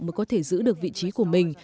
mới có thể giữ được vị trí của mình